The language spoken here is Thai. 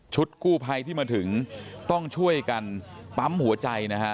กู้ภัยที่มาถึงต้องช่วยกันปั๊มหัวใจนะฮะ